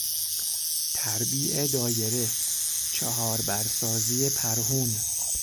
تربیع دایره، چهاربر سازی پرهون